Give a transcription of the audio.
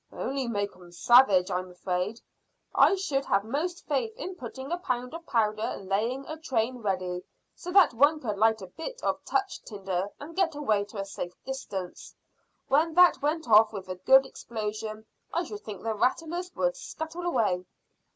"Only make 'em savage, I'm afraid. I should have most faith in putting a pound of powder and laying a train ready, so that one could light a bit of touch tinder and get away to a safe distance. When that went off with a good explosion, I should think the rattlers would scuttle away."